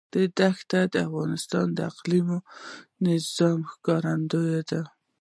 دښتې د افغانستان د اقلیمي نظام ښکارندوی ده.